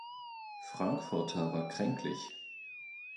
Frankfurter war kränklich.